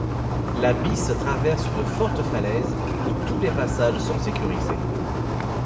Le bisse traverse de fortes falaises où tous les passages sont sécurisés.